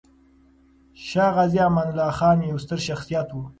شاه غازي امان الله خان يو ستر شخصيت و.